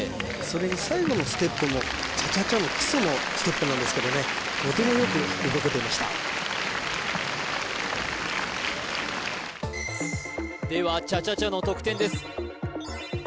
それに最後のステップもチャチャチャの基礎のステップなんですけどねとてもよく動けていましたではチャチャチャの得点です